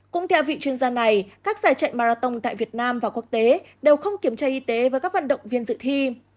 cũng theo vị chuyên gia này các giải chạy marathon tại việt nam và quốc tế đều không kiểm tra y tế với các vận động viên dự thi